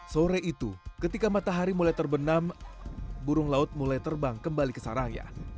sore itu ketika matahari mulai terbenam burung laut mulai terbang kembali ke sarangya